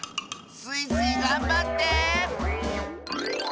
スイスイがんばって！